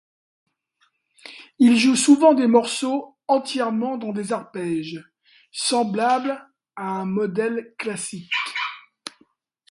Il joue souvent des morceaux entièrement dans des arpèges semblables à un modèle classique.